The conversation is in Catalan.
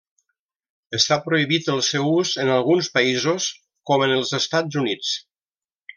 Està prohibit el seu ús en alguns països, com en els Estats Units.